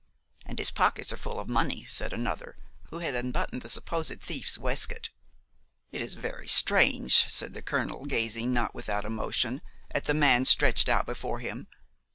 "And his pockets are full money!" said another, who had unbuttoned the supposed thief's waistcoat. "It is very strange," said the colonel, gazing, not without emotion, at the man stretched out before him.